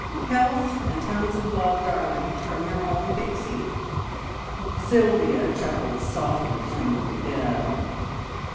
Health, and tons of love, darling, from your own Pixie.'" Sylvia chuckled softly from the bed.